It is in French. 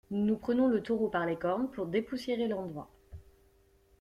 Nous prenons le taureau par les cornes pour dépoussiérer l’endroit.